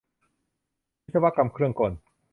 วิศวกรรมเครื่องกล